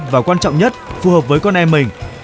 và quan trọng nhất phù hợp với con em mình